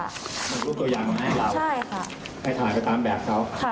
เป็นรูปตัวอย่างของให้เราให้ถ่ายไปตามแบบเขา